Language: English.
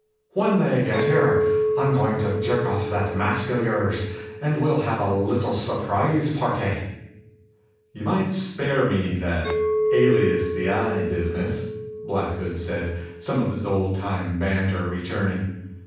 When they get here, I'm going to jerk off that mask of yours and we'll all have a little surprise party." "You might spare me that 'alias, the Eye' business," Black Hood said, some of his old time banter returning.